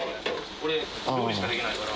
俺、料理しかできないから、